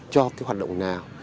cho cái hoạt động nào